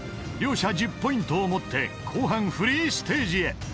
［両者１０ポイントを持って後半フリーステージへ］